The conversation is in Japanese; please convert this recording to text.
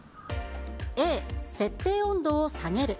Ａ、設定温度を下げる。